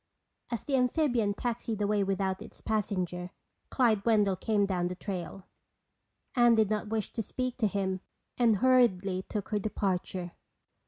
As the amphibian taxied away without its passenger, Clyde Wendell came down the trail. Anne did not wish to speak to him and hurriedly took her departure.